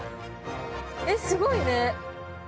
えっすごいね。